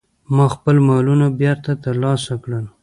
ما خپل مالونه بیرته ترلاسه کړل.